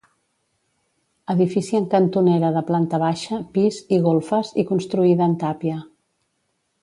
Edifici en cantonera de planta baixa, pis i golfes i construïda en tàpia.